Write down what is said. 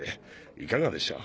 いかがでしょう？